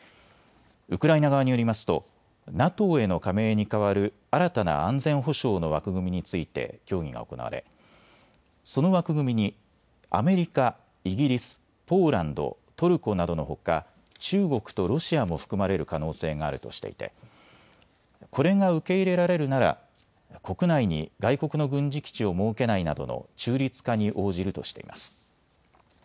ウクライナ側によりますとＮＡＴＯへの加盟に代わる新たな安全保障の枠組みについて協議が行われその枠組みにアメリカ、イギリス、ポーランド、トルコなどのほか中国とロシアも含まれる可能性があるとしていてこれが受け入れられるなら国内に外国の軍事基地を設けないなどの中立化に応じるとしています。